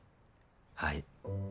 はい。